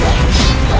aku akan memikirkan cara